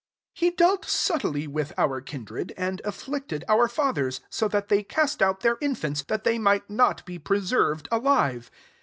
19 He dealt subtilly with our kindred, and afilicted our fathers; so that they cast out their infants, that they might not be preserved alive'.